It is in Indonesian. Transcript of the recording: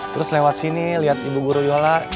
terus lewat sini liat ibu guruyola